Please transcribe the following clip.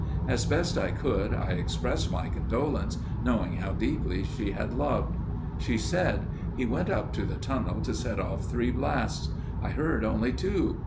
As best I could, I expressed my condolence, knowing how deeply she had loved. She said: "He went up to the tunnel to set off three blasts. I heard only two.